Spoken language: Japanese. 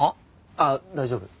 あっ大丈夫。